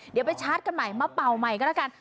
เดี๋ยวไปชาร์จกันใหม่มาเป่าใหม่ก็แล้วกัน